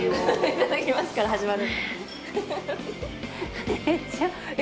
「いただきます」から始まる。